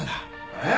えっ！？